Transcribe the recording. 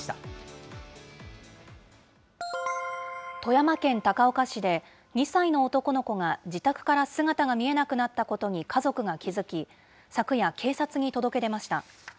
富山県高岡市で、２歳の男の子が自宅から姿が見えなくなったことに家族が気付き、昨夜、警察に届け出ました。